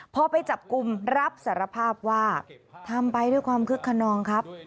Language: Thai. พอไปจับกลุ่มรับสารภาพว่าทำไปด้วยความคึกขนองครับ